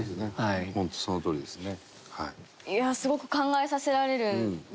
本当そのとおりですね。